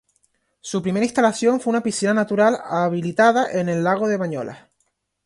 Su primera instalación fue una piscina natural, habilitada en el Lago de Bañolas.